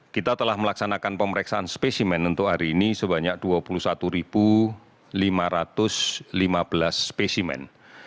kita telah melaksanakan pemeriksaan spesimen untuk hari ini sebanyak dua puluh satu lima ratus lima belas spesimen